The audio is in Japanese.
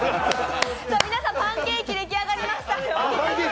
皆さんパンケーキできあがりました。